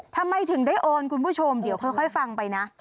ทำไมถึงได้โอนคุณผู้ชมเดี๋ยวค่อยฟังไปนะ